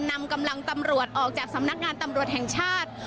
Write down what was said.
นำกำลังตำรวจออกจากสำนักงานตำรวจแห่งชาติ